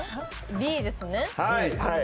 Ｂですね。